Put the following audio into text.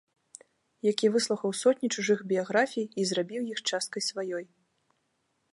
Які выслухаў сотні чужых біяграфій і зрабіў іх часткай сваёй.